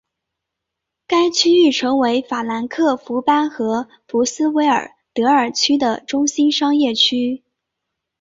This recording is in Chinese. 该区域成为法兰克福班荷福斯威尔德尔区的中心商业区。